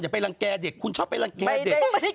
อย่าไปลังกายเด็กคุณชอบไปลังกายเด็ก